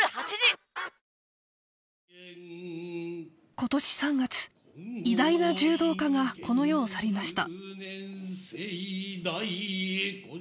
今年３月偉大な柔道家がこの世を去りました